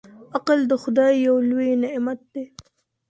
عقل د خدای يو لوی نعمت دی.